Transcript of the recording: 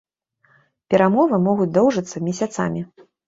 Перамовы могуць доўжыцца месяцамі.